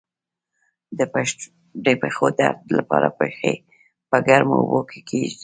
د پښو د درد لپاره پښې په ګرمو اوبو کې کیږدئ